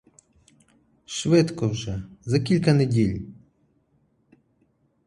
Швидко вже, за кілька неділь.